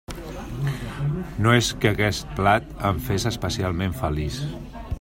No és que aquest plat em fes especialment feliç.